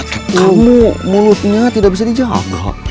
kamu mulutnya tidak bisa dijaga